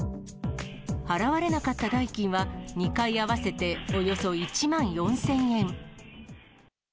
払われなかった代金は、２回合わせておよそ１万４０００円。